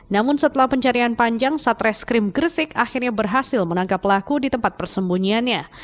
namun setelah pencarian panjang satreskrim gresik akhirnya berhasil menangkap pelaku di tempat persembunyiannya